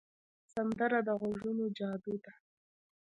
سندره د غږونو جادو ده